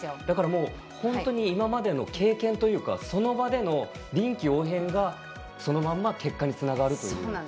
だから、本当に今までの経験というかその場での臨機応変がそのまま結果につながるという。